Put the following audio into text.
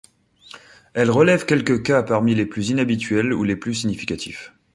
Elle relève quelques cas parmi les plus inhabituels ou les plus significatifs.